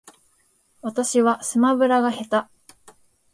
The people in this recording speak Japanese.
私はスマブラが下手